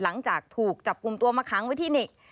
หลังจากถูกจับกลุ่มตัวมาค้างไว้ที่นิก